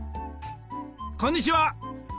こんにちは！